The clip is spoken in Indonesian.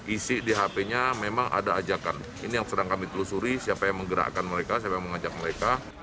isi di hp nya memang ada ajakan ini yang sedang kami telusuri siapa yang menggerakkan mereka siapa yang mengajak mereka